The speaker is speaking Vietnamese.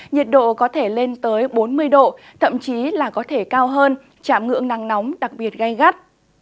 nhiệt độ có thể lên tới bốn mươi độ thậm chí là có thể cao hơn chạm ngưỡng nắng nóng đặc biệt gây gắt